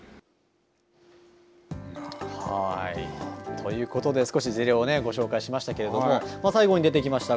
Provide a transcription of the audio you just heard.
ということで少し事例を紹介しましたけど最後に出てきました